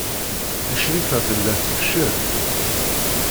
Crifa tella tfeccel.